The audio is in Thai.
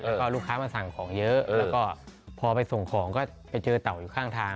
แล้วก็ลูกค้ามาสั่งของเยอะแล้วก็พอไปส่งของก็ไปเจอเต่าอยู่ข้างทาง